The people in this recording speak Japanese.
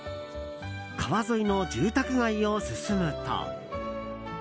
川沿いの住宅街を進むと。